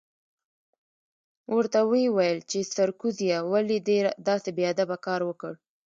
ورته ویې ویل چې سرکوزیه ولې دې داسې بې ادبه کار وکړ؟